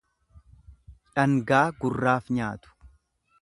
Dhangaa gurraaf nyaatu.